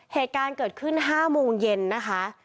เหตุการณ์เกิดขึ้น๕โมงเย็นนะคะ